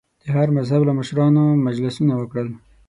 د هر مذهب له مشرانو مجلسونه وکړل.